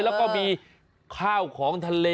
แล้วก็มีข้าวของทะเล